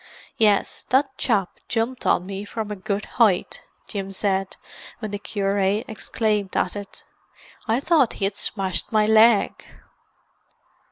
"Yes, that chap jumped on me from a good height," Jim said when the cure exclaimed at it. "I thought he had smashed my leg."